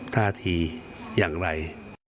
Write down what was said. ท่าทีอย่างไร